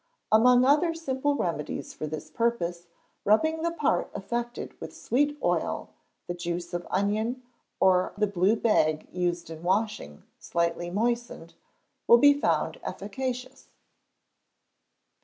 Among other simple remedies for this purpose, rubbing the part affected with sweet oil, the juice of onion, or the blue bag used in washing, slightly moistened, will be found efficacious.